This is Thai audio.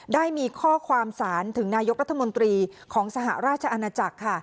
ได้มีข้อความสารถึงนายกรัฐมนตรีของสหราชอาณาจักรค่ะ